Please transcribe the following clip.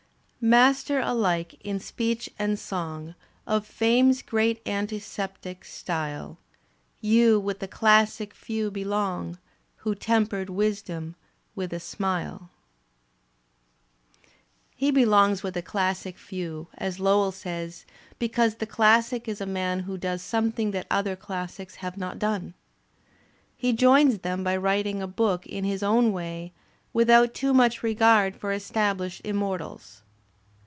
Master alike in speech and song Of Fame's great antiseptic. Style, You with the classic few belong. Who tempered wisdom with a smile. He belongs with the classic few, as Lowell says, because the classic is a man who does something that other classics have not done. He joins them by writing a book in his own way without too much regard for estabhshed immortals.